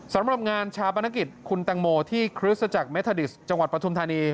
สำหรับงานชาปนกิจคุณตังโมที่คริสตจักรเมธาดิสจังหวัดปฐุมธานี